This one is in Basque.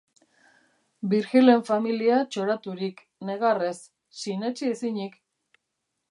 Virgilen familia txoraturik, negarrez, sinetsi ezinik!